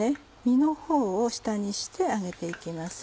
身のほうを下にして揚げて行きます。